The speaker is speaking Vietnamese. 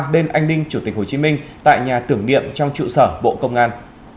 đêm anh đinh chủ tịch hồ chí minh tại nhà tưởng niệm trong trụ sở bộ công an